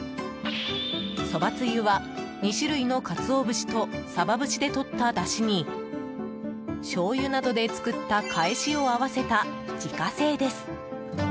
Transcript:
そばつゆは、２種類のカツオ節とサバ節でとっただしにしょうゆなどで作ったかえしを合わせた自家製です。